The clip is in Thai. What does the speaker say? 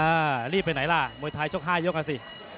รีบไปไหนล่ะมวยไทยชก๕ยกอ่ะสิ